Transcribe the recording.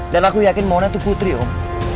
dan aku yakin mona itu putri om